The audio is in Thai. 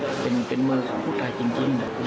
ก็หวังว่าชีวิตทุกคนก็คงจะเจริญรุ่งเรือง